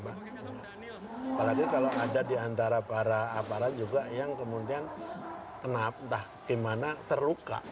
apalagi kalau ada di antara para aparat juga yang kemudian kenapa entah gimana terluka